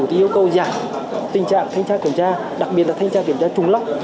thì yêu cầu giảm tình trạng thanh tra kiểm tra đặc biệt là thanh tra kiểm tra trùng lóc